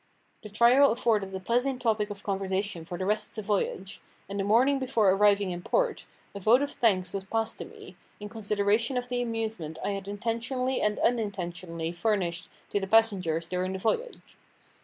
The trial afforded a pleasant topic of conversation for the rest of the voyage; and the morning before arriving in port, a vote of thanks was passed to me, in consideration of the amusement I had intentionally and unintentionally furnished to the passengers during the voyage.